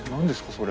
それ。